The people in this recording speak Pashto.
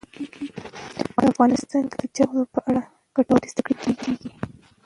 په افغانستان کې د چار مغز په اړه ګټورې زده کړې کېږي.